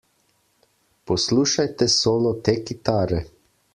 Poslušajte solo te kitare!